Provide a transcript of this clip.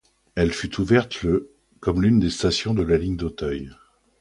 Elle fut ouverte le comme l'une des stations de la ligne d'Auteuil.